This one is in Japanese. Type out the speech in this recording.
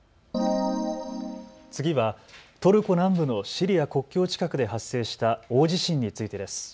次はトルコ南部のシリア国境近くで発生した大地震についてです。